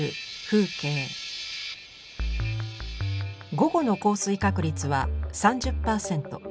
午後の降水確率は３０％。